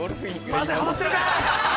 ◆まだハマってるかい。